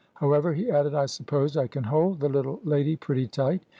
However," he added, "I suppose I can hold the little lady pretty tight."